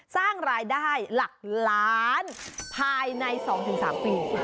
สร้างรายได้หลักล้านภายใน๒๓ปี